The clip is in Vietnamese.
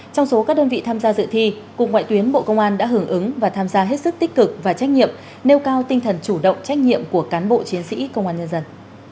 trong số các đơn vị tham gia dự thi cục ngoại tuyến bộ công an đã hưởng ứng và tham gia hết sức tích cực và trách nhiệm nêu cao tinh thần chủ động trách nhiệm của cán bộ chiến sĩ công an nhân dân